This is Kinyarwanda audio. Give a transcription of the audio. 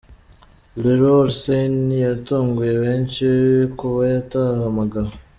Leroy Sane yatunguye benshi kuba atahamagawe.